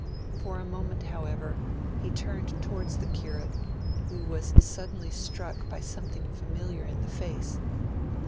For a moment, however, he turned towards the Curate, who was suddenly struck by something familiar in the face.